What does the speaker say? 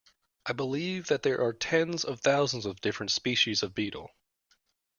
I believe that there are tens of thousands of different species of beetle